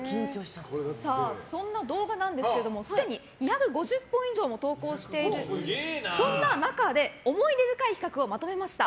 そんな動画なんですがすでに２５０本以上も投稿しているそんな中で思い出深い企画をまとめました。